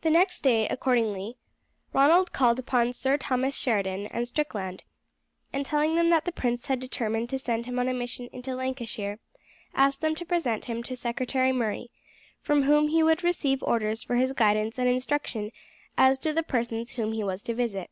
The next day, accordingly, Ronald called upon Sir Thomas Sheridan and Strickland, and telling them that the prince had determined to send him on a mission into Lancashire, asked them to present him to Secretary Murray, from whom he would receive orders for his guidance and instruction as to the persons whom he was to visit.